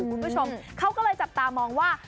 คุณผู้ชมเขาก็เลยจับตามองว่า